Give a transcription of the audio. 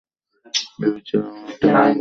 ভেবেছিলাম ও এটার অপেক্ষায় আছে।